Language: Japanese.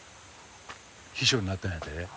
秘書になったんやて。